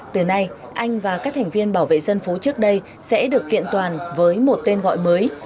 từ nay anh và các thành viên bảo vệ dân phố trước đây sẽ được kiện toàn với một tên gọi mới